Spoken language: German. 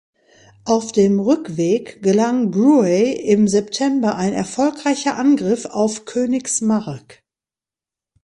Auf dem Rückweg gelang Bruay im September ein erfolgreicher Angriff auf Königsmarck.